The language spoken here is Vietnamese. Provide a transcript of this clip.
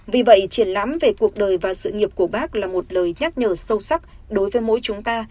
vì vậy triển lãm về cuộc đời và sự nghiệp của bác là một lời nhắc nhở sâu sắc đối với mỗi chúng ta